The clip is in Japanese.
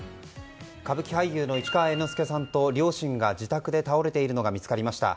歌舞伎俳優の市川猿之助さんと両親が自宅で倒れているのが見つかりました。